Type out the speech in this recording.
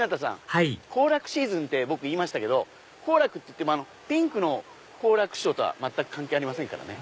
はい行楽シーズンって僕言いましたけどコウラクっつってもピンクの好楽師匠とは全く関係ありませんからね。